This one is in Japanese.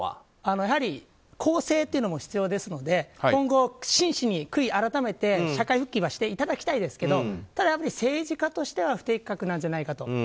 やはり更生というのも必要ですので今後、真摯に悔い改めて社会復帰はしていただきたいですけどただ、政治家としては不適格なんじゃないかと。